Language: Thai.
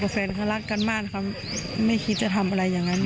สีเขียว